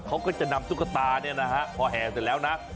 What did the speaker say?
เขาก็จะนำตุ๊กตาเนี่ยนะฮะพอแห่เสร็จแล้วนะ